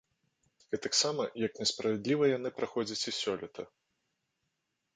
Гэтаксама, як несправядліва яны праходзяць і сёлета.